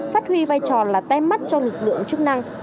phát huy vai trò là tem mắt cho lực lượng chức năng